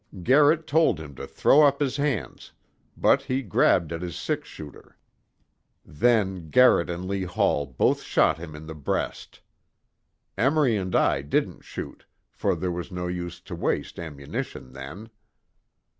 Garrett told him to throw up his hands, but he grabbed at his six shooter. Then Garrett and Lee Hall both shot him in the breast. Emory and I didn't shoot, for there was no use to waste ammunition then.